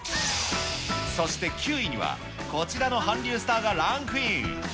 そして９位には、こちらの韓流スターがランクイン。